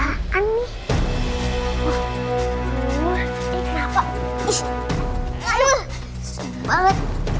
aduh susah banget